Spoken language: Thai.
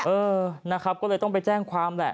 เออนะครับก็เลยต้องไปแจ้งความแหละ